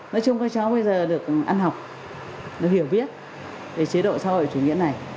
nói chung các cháu bây giờ được ăn học được hiểu biết về chế độ xã hội chủ nghĩa này